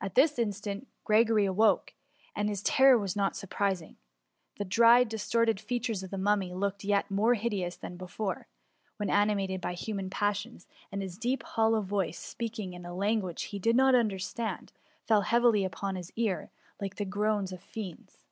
At this instant Gregory awoke, and his ter ror was not surprising. The dried distorted fea tures of the Mummy looked yet more hideous than before, when animated by human passions, and his deep hollow voice, speaking in a lan guage he Hid not understand, fell heavily upon his ear, like the groans of fiends.